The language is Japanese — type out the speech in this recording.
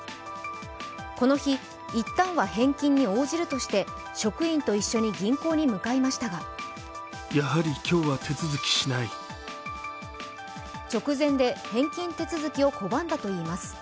この日、いったんは返金に応じるとして職員と一緒に銀行に向かいましたが直前で返金手続きを拒んだといいます。